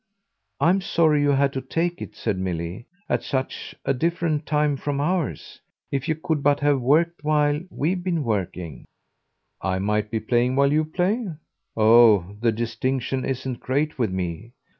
"I'm sorry you had to take it," said Milly, "at such a different time from ours. If you could but have worked while we've been working " "I might be playing while you play? Oh the distinction isn't great with me.